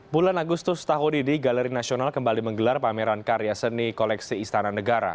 bulan agustus tahun ini galeri nasional kembali menggelar pameran karya seni koleksi istana negara